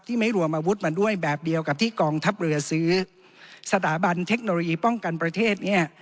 ไม่รวมอาวุธมาด้วยแบบเดียวกับที่กองทัพเรือซื้อสถาบันเทคโนโลยีป้องกันประเทศเนี่ย